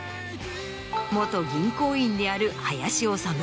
元銀行員である林修。